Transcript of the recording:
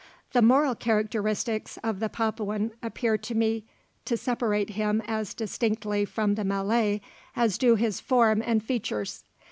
The moral characteristics of the Papuan appear to me to separate him as distinctly from the Malay as do his form and features.